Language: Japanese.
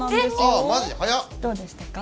どうでしたか？